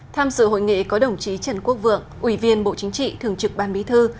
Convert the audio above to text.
tham dự hội nghị có đồng chí trần quốc vượng ủy viên bộ chính trị thường trực ban bí thư